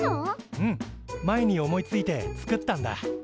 うん前に思いついて作ったんだ。